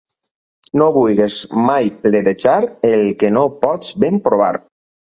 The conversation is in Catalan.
No vulguis mai pledejar el que no pots ben provar.